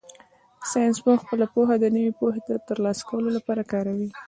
ساینسپوه خپله پوهه د نوې پوهې د ترلاسه کولو لپاره کاروي.